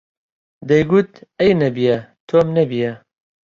دەیگوت: ئەی نەبیە، تۆم نەبییە